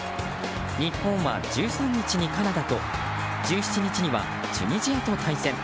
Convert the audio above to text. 日本は１３日にカナダと１７日にはチュニジアと対戦。